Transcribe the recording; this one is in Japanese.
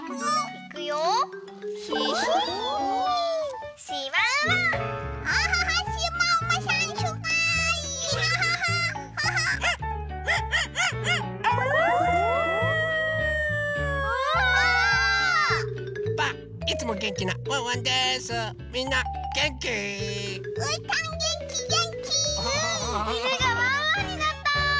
いぬがワンワンになった！